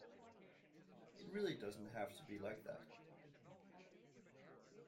It really doesn't have to be like that